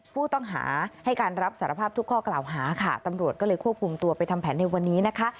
ผู้ต้องหาให้การรับสารภาพทุกข้อกล่าวหาค่ะตำรวจก็เลยควบคุมตัวไปทำแผนในวันนี้นะคะ